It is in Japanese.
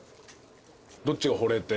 どっちがほれて？